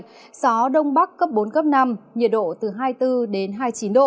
gió đông bắc cấp bốn năm nhiệt độ từ hai mươi bốn hai mươi chín độ